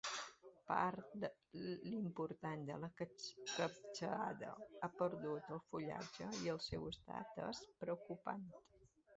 Part important de la capçada ha perdut el fullatge i el seu estat és preocupant.